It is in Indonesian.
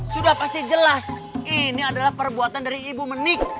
sudah pasti jelas ini adalah perbuatan dari ibu menik